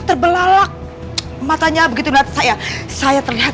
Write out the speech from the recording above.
bener bener sama passion yang men story tepat berbeda